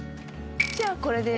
じゃあこれで。